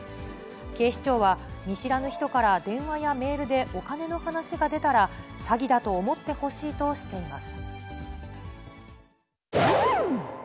警視庁は、見知らぬ人から電話やメールでお金の話が出たら、詐欺だと思ってほしいとしています。